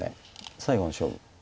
最後の勝負。